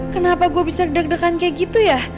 kenapa gue bisa deg degan kayak gitu ya